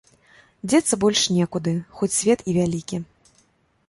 Дзецца больш некуды, хоць свет і вялікі.